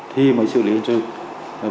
thì mới xử lý hình ảnh